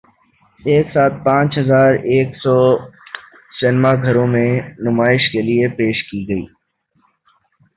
ایک ساتھ پانچ ہزار ایک سو سینما گھروں میں نمائش کے لیے پیش کی گئی